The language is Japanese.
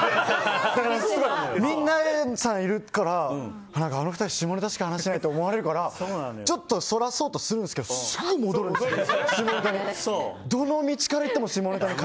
だから、皆さんいるからあの２人、下ネタしか話してないと思われるからちょっとそらそうとするんですけどすぐ戻るんですよ、下ネタに。